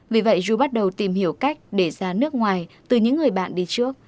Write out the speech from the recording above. vì vậy dù bắt đầu tìm hiểu cách để ra nước ngoài từ những người bạn đi trước